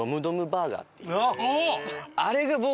あれが僕。